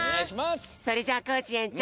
それじゃあコージえんちょう